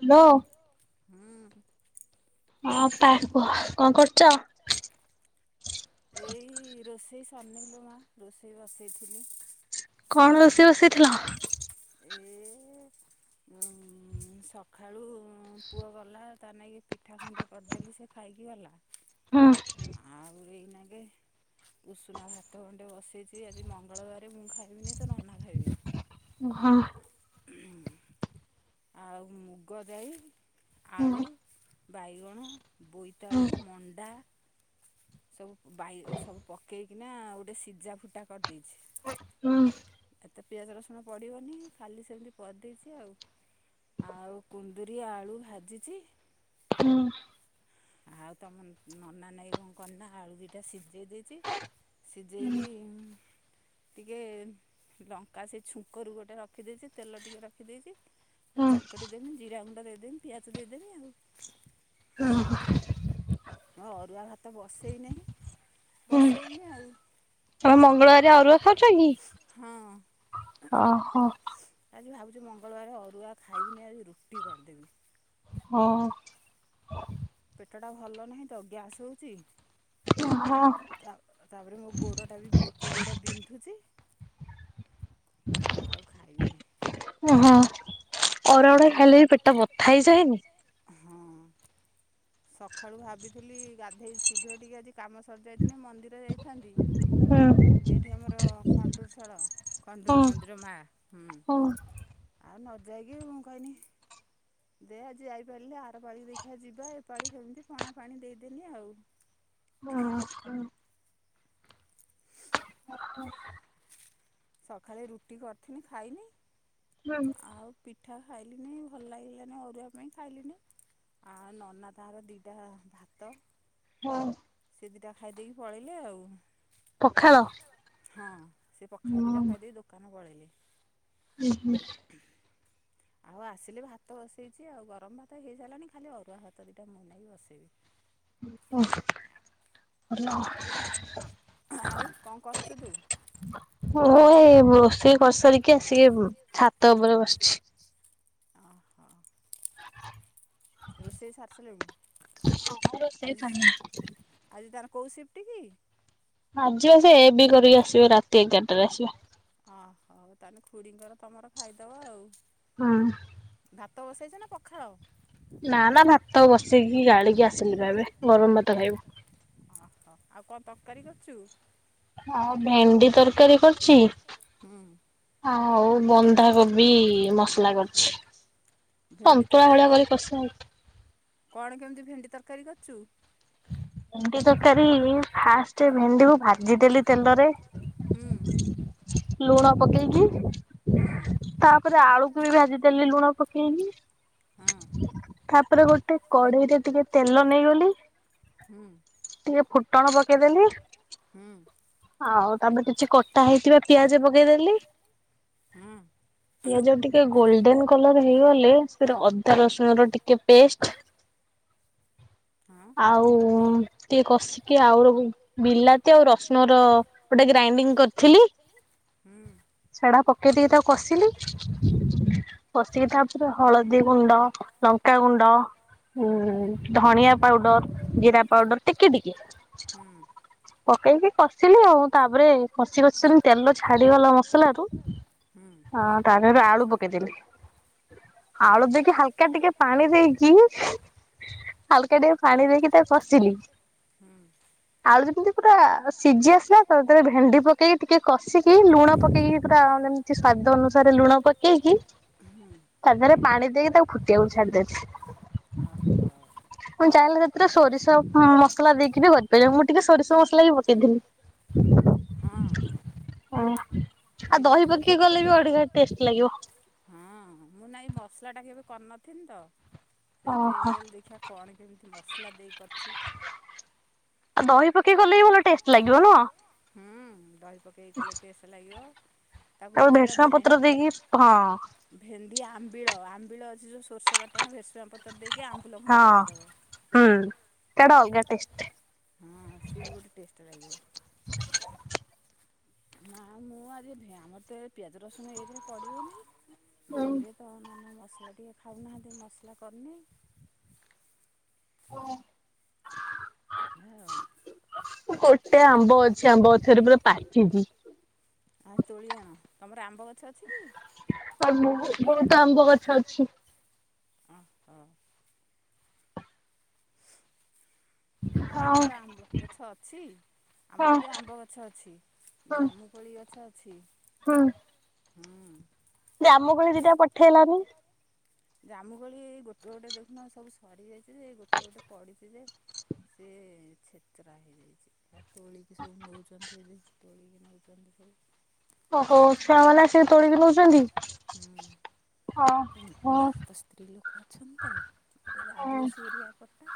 Hello. ହୁଁ। ହଁ ଅପା କୁହ କଣ କରୁ ଏଇ ରୋଷେଇ। ଅନେଇଲୁ ମା ରୋଷେଇ ବସେଇଥିଲି। କଣ ରୋଷେଇ ବସେଇଥିଲ? ଉଁ ସକାଳୁ ପୁଅ ଗଲା ତା ନାଗି ପିଠା ଖଣ୍ଡେ କରିଦେଲି ସେ ଖାଇକି ଗଲା। ଏବେ ଉଷୁନା ଭାତ ଗଣ୍ଡେ ବସେଇଛି ଆଜି ମଙ୍ଗଳବାର ମୁଁ ଖାଇବିନି ତୋ ନନା ଖାଇବେ। ହଁ। ଆଉ ମୁଗ ଜାଇ ଆଳୁ ବାଇଗଣ। ବୋଇତଆଳୁ ମଣ୍ଡା। ସବୁ ବାଇ ରେ ସବୁ ପକେଇକି କି ନା ଗୋଟେ ସିଝା ଫୁଟା କରିଦେଇଛି। ହୁଁ। ଏତେ ପିଆଜ ରସୁଣ ପଡ଼ିବନି। ଖାଲି ସେମିତି କରିଦେଇଛି ଆଉ। ଆଉ କୁନ୍ଦୁରି ଆଳୁ ଭାଜିଛି। ଆଉ ତମ ନନା ନାଗି କଣ କଲିନା ଆଳୁ ଦୁଇଟା ସିଝେଇ ଦେଇଛି। ସିଝାଇକି ଟିକେ ଲଙ୍କା ସେ ଛୁଙ୍କରୁ ଗୋଟେ ରଖିଦେଇଛି ତେଲ ଟିକେ ରଖିଦେଇଛି ଚକଟି ଦେମି ଜିରା ଗୁ- ଦେଇ ଦେମି [unintelligible] ମୁଁ ଅରୁଆ ଭାତ ବସେଇନେ ବସେଇମି ଆଉ। ତମେ ମଙ୍ଗଳବାର ଅରୁଆ ଖାଉଛ କି ଓହୋ। ଆଜି ମଙ୍ଗଳବାରେ ଅରୁଆ ଖାଇବିନି ଆଜି ରୁଟି କରିଦେବି। ହଁ। ପେଟ ଟା ଭଲ ନାହିଁ ତ ଗ୍ୟାସ୍ ହଉଛି। ତା ତାପରେ ବି ମୋ ଗୋଡ ଟା ବି ଗୋଟେ ଗୋଡ ବିନ୍ଧୁଛି। ଆଉ ଖାଇବିନି। ଅରୁଆରେ ଖାଇଲେ ବି ପେଟା ବଥା ହେଇଯାଏନି? ସଖାଳୁ ଭାବିଥିଲି ଗାଧେଇ ଶୀଘ୍ର ଟିକେ ଆଜି କାମ ସରି ଯାଇଥିନି ମନ୍ଦିର ଯାଇ ଥାନ୍ତି ଏଇଠି ଆମର ଖଣ୍ଡୁୁରସ୍ଥଳ ଆଉ ନ ଯାଇକି ଉଁ କହିନି ଦେ ଆଜି ଯାଇପାରିଲେ ଆର ପାଳିକି ଦେଖିବା ଯିବା ଏ ପାଳି ହେମିତି ପଣା ପାଣି ଦେଇଦେନି ଆଉ। [unintelligible] ହଁ। ସକାଳେ ରୁଟି କରିଥିନି ଖାଇନି [unintelligible] ପିଠା ଖାଇଲିନି, ଭଲ ଲାଗିଲାନି। ଅରୁଆ ପାଇଁ ଖାଇଲିନି। ଆଉ ନନା ତାର ଦିଟା ଭାତ ହଁ। ଦି ଦିଟା ଖାଇଦେଇକି ପଳେଇଲେ ଆଉ। ହଁ, ସେ ପଖାଳ ଦିଟା ଖାଇଦେଇ ଦୋକାନ ପଳେଇଲେ। ଆଉ ଆସିଲେ ଭାତ ବସେଇଛି ଆଉ ଗରମ ଭାତ ହେଇସାଇଲାଣି ଖାଲି ଅରୁଆ ଭାତ ଦୁଇଟା ମୋ ନାଗି ବସେଇବି। ହଁ ଭଲ। ଆଉ କଣ କରୁଛୁ ତୁ? [unintelligible] [unintelligible] କରିସାରିକି ଆସିକି ଛାତ ଉପରେ ବସିଛି। ରୋଷେଇ ସାରିସାରିଲେଣି ଆଜି ଆଜି ତାର କୋଉ ସିଫ୍ଟି କି? [inaudible] ଅହୋ ତାେଲେ ଖୁଡିଙ୍କର ତମର? ଖାଇଦବ ଆଉ। ହୁଁ। ଭାତ ବସଇଛ ନା ପଖାଳ? ନା ନା ଭାତ ବସେଇକି ଗାଳିକି ଆସିଲି ଏବେ ଗରମ ଭାତ ଖାଇବୁ। ଆହ୍ ଆଉ କଣ ତରକାରୀ କରିଛୁ? ହଁ ଭେଣ୍ଡି ତରକାରୀ କରିଛି। ଆଉ ବନ୍ଧାକୋବି ମସଲା କରିଛି। ସନ୍ତୁଳା ଭଳିଆ କରି କସା ହେ କଣ କେମତି ଭେଣ୍ଡି ତରକାରୀ କରିଛୁ? ଭେଣ୍ଡି ତରକାରୀ ଫାଷ୍ଟ୍ ଭେଣ୍ଡିକୁ ଜିଦେଲି ତେଲରେ ଲୁଣ ପକେଇକି ତାପରେ ଆଳୁକୁ ବି ଭାଜି ଦେଲି ଲୁଣ ପକେଇକି ତାପରେ ଗୋଟେ କଢେଇରେ ଟିକେ ତେଲ ନେଇଗଲି ଟିକେ ଫୁଟଣ ପକେଇଦେଲି ଆଉ ତା ପରେ କିଛି କ ଟା ହେଇଥିବା ପିଆଜ ପକେଇଦେଲି ପିଆଜ ଟିକେ ଗୋଲଡେନ କଲର ହେଇଗଲେ ସେ ଅ ଅଦା ରସୁଣ ର ଟିକେ ପେଷ୍ଟ ଆଉ ଟିକେ କଷିକି ଆଉ ବିଲାତି ଆଉ ରସୁଣ ର ଗୋଟେ ଗ୍ରାଇଣ୍ଡିଙ୍ଗ କରିଥିଲି ସେଡା ପକେଇ ଟେ ତାକୁ କଷିଲି କଷିକି ତାପରେ ହଳଦୀ ଲଙ୍କାାଗୁଣ୍ଡ ଉ ଧଣିଆ ପାଉଡର ଜିରା ପାଉଡର ଟିକେ ଟିକେ ପକେଇକି କଷିଲି ଆଉ ତାପରେ କଷି କଷିି ତେଲ ଛାଡିଗଲା ମସଲ ରୁ ତାପରେ ଆଳୁ ପକେଇଦଲି। ଆଳୁ ଦେ ହାଲକା ଟିକେ ପାଣି ଦେଇକି ହାଲକା ଟିକେ ପାଣି ଦେଇକି ତା କଷିଲି। ଆଳୁ ଯେମିତି ପୁରା ସିଝି ଆସିଲା ତା ଦେହରେ ଭେଣ୍ଡି ପକେଇକି ଟିକେ କଷିକି ଲୁଣ ପକେଇକି ପୁରା ଏମିତି ସ୍ଵାଦ ଅନୁସାରେ ଲୁଣ ପକେଇକି ତା ଦେହରେ ପାଣି ଦେଇ ତା କୁ ଖୁଟିବାକୁ ଛାଡିଦଉଛି। ମୁଁ ଚାହିଁଲେ ସେଥିରେ ସୋରିଷ ମସଲା ଦେଇକି ବି କରିପାରିବ। ମୁଁ ଟିକେ ସୋରିଷ ମସଲା ବି ପକେଇଥିଲି। ହ ବିଲାତି ପକେଇ ହଁ ମୁଁ ନାଇଁ ମସଲା ଟା କେ କରି ନଥିଲି ତ। ସେଇଥି ପାଇଁ ମୁଁ କହିଲି ଦେଖିଆ କଣ କେମିତି ମସଲା ଦେଇ କରିଛି। ପକେଇକି ଗଲେ ବି ଭଲ ଟେଷ୍ଟ ଲାଗିବ ନୁହ? ପକେଇକି କଲେ ଟେଷ୍ଟ ଲାଗିବ। ତାକୁ ବି ସୁଦ୍ଧା ଭେ ଭେଣ୍ଡି ଆମ୍ବିଳ ଆମ୍ବିଳ। ସୋରିଷ ବାଟଣ ଭେସ ଆ ପତ୍ର ଦେଇକି ଆମ୍ବୁଲ ଖଣ୍ଡେ ପକେଇଦବ। ହଁ ସି ବି ଗୋଟେ ଟେଷ୍ଟ ଲାଗିବ। ନା ମୁଁ ଆଜି ଭଏ ଆମର ତ ପିଆଜ ରସୁଣ ଏକେରେ ପଡିବନି ଦୁଇରେ ତ ଆମ ମସଲା ଟିକେ ଖାଉନାହାନ୍ତି ମସଲା କରନି କୁଅ। ଗୋଟେ ଆମ୍ବ ଅଛି ଆମ୍ବ ଗଛରେ ପୁରା ପାଚିଚି। ଆ ତୋଳି ଆଣ ତମର ଆମ୍ବ ଗଛ ଅଛି କି? ଆଉ ମୁଁ ବୋହୁତ ଆମ୍ବ ଗଛ ଅଛି। ଅ ହ। ନା ଆମର ଆମ୍ବ ଗଛ ଅଛି ଆମର ବି ଆମ୍ବ ଗଛ ଅଛି ଜାମୁକୋଳି ଗଛ ଅ ଛି। ହଁ। ହୁଁ। ଆମ ଘରକୁ ଦିଟା ପଠେଇଲନି? ଜାମୁଗୋଳି ଗୋଟେ ଗୋଟେ ଦେଖୁନ ସବୁ ସରି ଯାଇଚି ଯେ ଗୋଟେ ଗୋଟେ ପଡିଚି ଯେ ସିଏ ଛେଚରା ହେଇଯାଇଚି। ତୋଳିକି ସବୁ ନେଉଚନ୍ତି ଏବେ। ତୋଳିକି ନଉଚନ୍ତି ସବୁ। ଓହୋ ଛୁଆମାନେ ଆସିକି ତୋଳିକି ନଉଛନ୍ତି ହଁ। ମା ତ ସ୍ତ୍ରୀ ଲୋକ ଅଛନ୍ତି ତ ଆଦିବାସୀ ଏରିଆ କଟା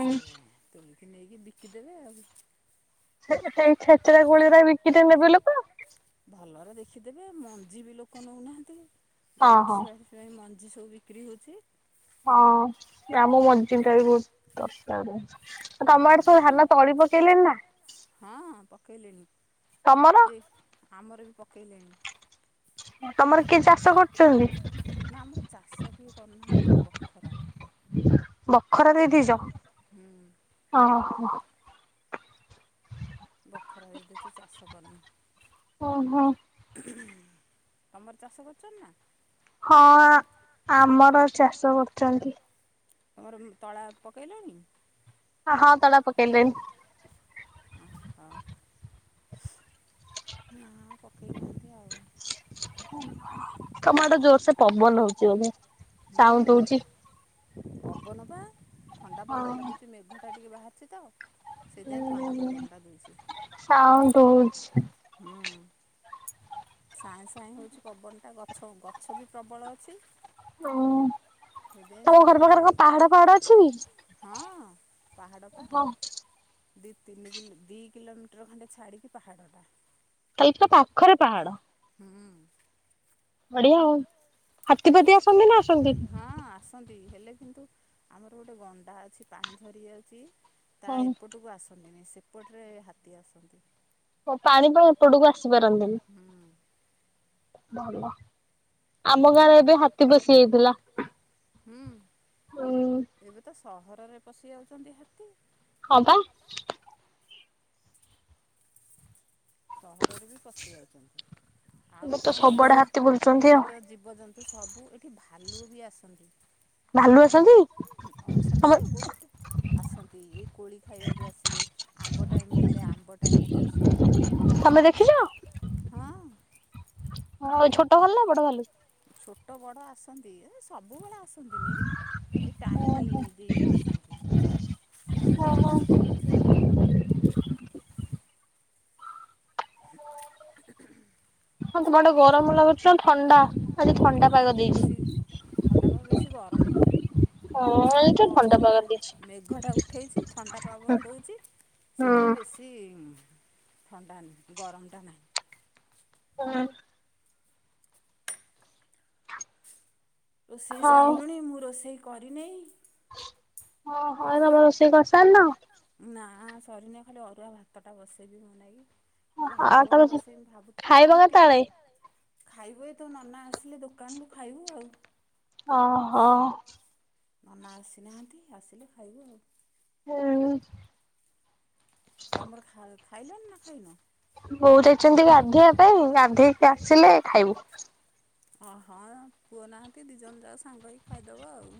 ସିଏ ତୁ ନେଇକି ବିକିଦବେ ଆଉ। ସେଇ ଛେଚେରା ଗୋଳିର ବିକିଟ ନେବେ ଲୋକ? ଭଲରେ ଦେଖିଦେବେ ମଞ୍ଜି ବି ଲୋକ ନେଉନାହାନ୍ତି କି? ଡାଇବେଟିସ ପାଇଁ ସେଥିପାଇଁ ମ ଆଜି ସବୁ ବିକ୍ରି ହେଉଛି। ହଁ କାମ ମଜିିଟା ବି ବହୁତ ଦରକାର ଅଛି। ତମଆଡେ ସବୁ ଧାନ ତଳି ପକେଇଲେ ନା? କହିଲେଣିି। ତମର ଆମର ବି ପକେଇଲେଣି। ତମର କିଏ ଚାଷ କରୁଛନ୍ତି ବଖରା ଦେଇଦେଇଛ ଓହୋ। ବଖରା ଦେଇ ତ ଚାଷ କରନ୍ତି। ତମର ଚାଷ କରୁଛନ୍ତି ନା? ହଁ ଆ ଆମର ହଁ ଚାଷ କରୁଛନ୍ତି। ତମର ତଳା ପକେଇଲଣି? ହ ହଁ ତଳା ପକେଇଲେଣି। ନା ପକେଇ ନାହାନ୍ତି ଆଉ। ତମ ଆଡ ଜୋର ସେ ପବନ ହଉଛି ବୋଧେ ସାଉଣ୍ଡ ହଉଛି? ପବନ ପା। ଥଣ୍ଡା ପବନ ଟା ଦଉଛି ମେଘ ଟ ଟିକେ ବାହାରିଛି ତ। ହୁଁ ହୁଁ ସାଉଣ୍ଡ ହେଉଛି। ହୁଁ। ସାଏଁ ସାଏଁ ହେଉଛି ପବନଟା ଗ ଗଛ ଗଛ ବି ପ୍ରବଳ ଅଛି। ହଁ। ତମ ଘର ପାଖରେ କଣ ପାହାଡ ପାହାଡ ଅଛି କି? ପାହାଡପା। ଦୁ ତିନିିଲ ଦିଇ କିଲୋମିଟର ଖଣ୍ଡେ ଛାଡ଼ିକି ପାହାଡ଼ଟା। ଏଇଠି ତ ପାଖରେ ପାହାଡ। ବଢିଆ ଆଉ। ହଁ ଆସନ୍ତୁ। ହେଲେ କିନ୍ତୁ ଆମର ଗୋଟେ ଗଣ୍ଡା ଅଛି ପାଣି ଝରିଯାଉଛି। ତା ଏପଟକୁ ଆସନ୍ତିନି ସେ। ଏପଟରେ ହାତୀ ଆସନ୍ତି। ହୁଁ ପାଣି ପାଇଁ ଉପଟକୁ ଆସି ପାରନ୍ତିନି। ବାବା ଆମ ଗାଁରେ ଏବେ ହାତୀ ପସିଯାଇଥିଲା ହୁଁ। ସହରରେ ପଶି ଯାଉଛନ୍ତି ହାତୀ। ହଁ ବା। ସହରରେ ବି ପଶି ଯାଉଛନ୍ତି ଆଉ କଣ ଅଛି ଏବେ ତ ଜୀବଜନ୍ତୁ ସବୁ ଏଠି ଭାରି ଭାଲୁ ବି ଆସନ୍ତି। ଅଛନ୍ତି ଯେ ବହୁତ ଆସନ୍ତି ଏଇ କୋଳି ଖାଇବାକୁ ଆସିବେ ଆମ୍ବ ଟାଇମ ହେଲେ ଆମ୍ବ ଟାଇମ ରେ ଆସନ୍ତି। ତମେ ଦେଖିଛ? ହଁ। ଛୋଟ ଭାଲୁ ନା ବଡ ଭଲୁ? ଛୋଟ ବଡ଼ ଆସନ୍ତି ସବୁବେଳେ ଏଇ ଟାଇମ ଦେଇକି ଆସନ୍ତି। [inaudible] ହଁ ତମ ପଟେ ଗରମ ଲାଗୁଛି ନା ଥଣ୍ଡା? ନା ବେଶୀ ଥଣ୍ଡା ପବନ ବେଶୀ ଗରମ ନାହିଁ ଆଉ କାରଣ ପବନଟା ମେଘଟା ଉଠେଇଛି ଥଣ୍ଡା ପବନ ଦେଉଛି ସେଥିପାଇଁ ବେଶୀ ଥଣ୍ଡା ନାହିଁ ଗରମଟା ନାହିଁ। ହ। ରୋଷେଇ ସାରିଲୁଣିି ମୁଁ ରୋଷେଇ କରିନେଇ? ହଁ ହ ତମ ରୋଷେଇ କ ନା ସରିନେ ଖାଲି ଅରୁଆ ଭାତ ଟା ବସେଇବି ମୋ ନାଗି ଆଉ ଭାତ କଣ ବସେଇ ଭାବୁଥିଲେ ଆ ରୁଟି କରି ଖାଇବୁ ଏ ତ ନନା ଆସିଲେ ଦୋକାନରୁୁ ଖାଇବୁ ଆଉ। ଓ ହୋ। ନନା ଆସିନାହାନ୍ତି ଆସିଲେ ଖାଇବୁ ଆଉ। ହୁ। ଟମର ଖା ଖାଇଲନି ନା ଖାଇନ? ବୋଉ ଯାଇଛନ୍ତି ଗାଧେଇବା ପାଇଁ ଗାଧେଇକି ଆସିଲେ ଖାଇବୁ। ଓହଁ ପୁଅ ନାହାନ୍ତି ଦି ଜଣ ଯାକ ସାଙ୍ଗ ହେଇକି ଖାଇଦବ ଆଉ।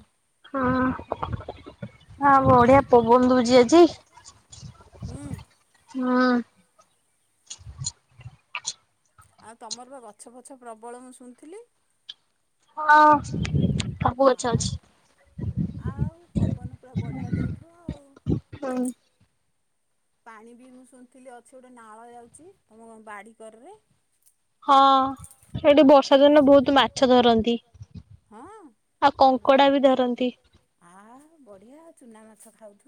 ହଁ। ହଁ ବଢିଆ ପବନ୍ ଦଉଛି ଆଜି ହୁଁ। ଆଉ ତମର ବା ଗଛ ଫଛ ପ୍ରବଳ ମୁଁ ଶୁଣିଥିଲି। ହଁ ସବୁ ଗଛ ଅଛି ହୁଁ। ପାଣି ବି ମୁଁ ଶୁଣିଥିଲି ଅଛି ଗୋଟେ ନାଳ ଯାଉଛି ତମ ବାଡିିକରରେ। ହଁ ସେଇଠି ବର୍ଷ୍ ହଁ ଆଉ ଭଲ୍ ଆଉ ବଢିଆ ଆଉ ଚୁନା ମାଛ ଖାଉଥୁ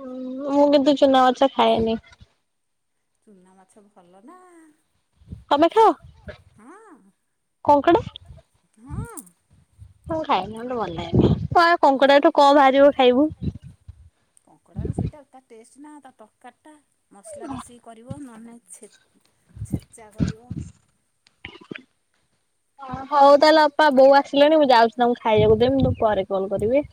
ମୁଁ ମୁଁ କିନ୍ତୁ ଚୁନାମାଛ ଖାଏନି। ଭଲ ନା। ତମେ ଖାଓ? ହଁ। ମୁଁ ଖାଏନି ମତେ ଭଲ୍ ଲାଗେନି। କଣ କଙ୍କଡାଠୁ କଣ ବାହାରିବ ଖାଇବୁ? ତା ତର୍କାର୍ ତା ମସ୍ଲା କଷିକି କରିବ ନହେଲେ ନାହିଁ ଛେ ଛେଚା କରିବ। ହଁ ହଉ ତାହେଲେ ଅପା ବୋଉ ଆସିଲେଣି ମୁଁ ଯାଉଛି ତାଙ୍କୁ ଖାଇବାକୁ ଦେମି ତୁ ପରେ କଲ୍ କରିବି।